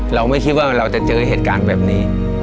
เราไม่คิดว่าเราจะเจอเหตุการณ์แบบนี้